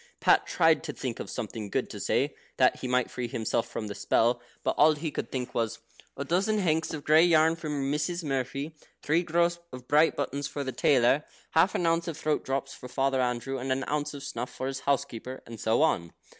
Pat tried to think of something good to say, that he might free himself from the spell, but all he could think of was: "A dozen hanks of grey yarn for Missis Murphy." "Three gross of bright buttons for the tailor." "Half an ounce of throat drops for Father Andrew, and an ounce of snuff for his housekeeper," and so on.